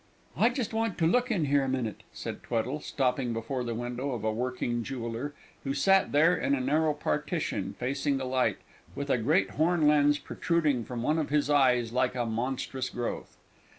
"I just want to look in here a minute," said Tweddle, stopping before the window of a working jeweller, who sat there in a narrow partition facing the light, with a great horn lens protruding from one of his eyes like a monstrous growth.